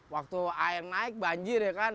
waktu air naik banjir ya kan